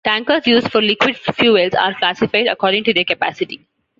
Tankers used for liquid fuels are classified according to their capacity.